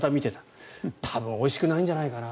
多分おいしくないんじゃないかな。